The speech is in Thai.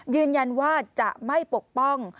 ยืนยันว่าจะไม่ปกป้อง